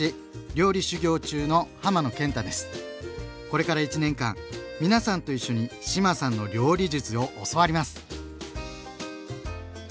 これから１年間皆さんと一緒に志麻さんの料理術を教わります！